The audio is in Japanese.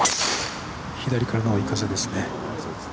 左からの追い風ですね。